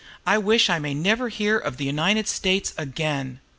I wish I may never hear of the United States again!"